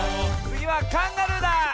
つぎはカンガルーだ。いくよ！